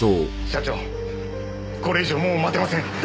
社長これ以上もう待てません。